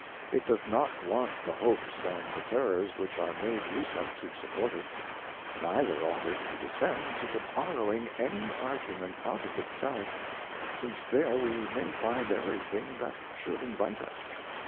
It doth not want the Hopes and the Terrors which are made use of to support it ; neither ought it to descend to the borrowing any Argument out of it self, since there we may find every thing that should invite us.